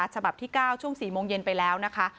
ฉบับที่๙ช่วง๔โมงเย็นไปแล้วนะคะ